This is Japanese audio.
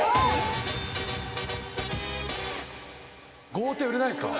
豪邸売れないんすか？